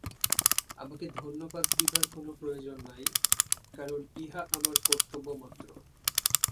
আমাকে ধন্যবাদ দিবার কোন প্রয়োজন নাই, কারণ ইহা আমার কর্তব্যমাত্র।